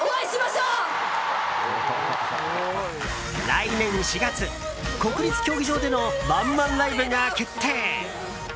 来年４月、国立競技場でのワンマンライブが決定！